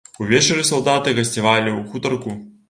Увечары салдаты гасцявалі ў хутарку.